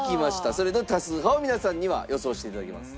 それの多数派を皆さんには予想して頂きます。